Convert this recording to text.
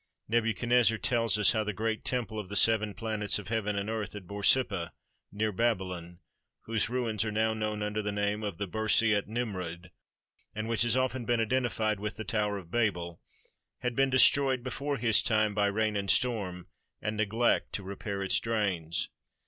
Nebu chadnezzar tells us how the great temple of the Seven Planets of Heaven and Earth at Borsippa, near Baby lon, whose ruins are now known under the name of the Birs i Nimrud, and which has often been identified with the Tower of Babel, had been destroyed before his time by rain and storm, and neglect to repair its drains.